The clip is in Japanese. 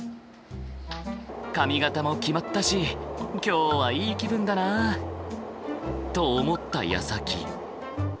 髪形も決まったし今日はいい気分だな。と思ったやさき。